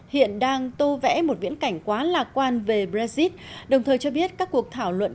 hiện đang tô vẽ một viễn cảnh quá lạc quan về brexit đồng thời cho biết các cuộc thảo luận